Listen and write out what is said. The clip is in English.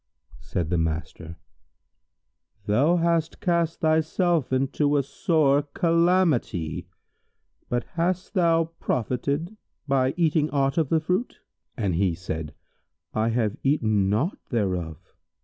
Said the master, "Thou hast cast thyself into sore calamity; but hast thou profited by eating aught of the fruit?"; and he said, "I have eaten naught thereof."